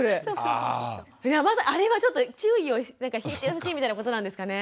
あれはちょっと注意を引いてほしいみたいなことなんですかね？